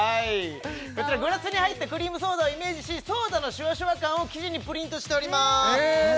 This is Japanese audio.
こちらグラスに入ったクリームソーダをイメージしソーダのシュワシュワ感を生地にプリントしておりますへえ